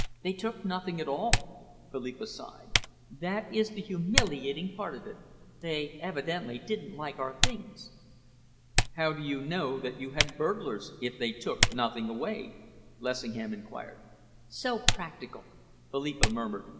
"They took nothing at all," Philippa sighed. "That is the humiliating part of it. They evidently didn't like our things." "How do you know that you had burglars, if they took nothing away?" Lessingham enquired. "So practical!" Philippa murmured.